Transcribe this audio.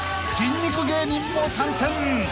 ［筋肉芸人も参戦］